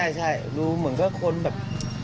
ไม่ใช่รู้เหมือนกับคนแบบ